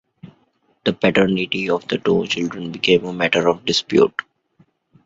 The paternity of the two children became a matter of dispute.